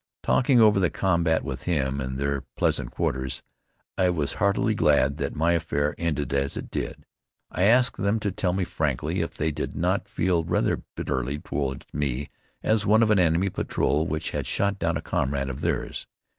Talking over the combat with him in their pleasant quarters, I was heartily glad that my affair ended as it did. I asked them to tell me frankly if they did not feel rather bitterly toward me as one of an enemy patrol which had shot down a comrade of theirs.